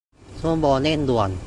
ชั่วโมงเร่งด่วน